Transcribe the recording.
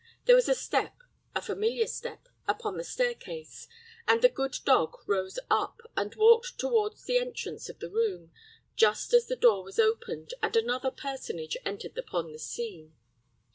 There was a step a familiar step upon the stair case, and the good dog rose up, and walked toward the entrance of the room, just as the door was opened, and another personage entered upon the scene.